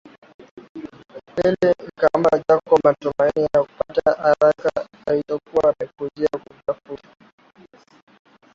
Hili likampa Jacob matumaini ya kupata haraka alichokuwa amekuja kutafuta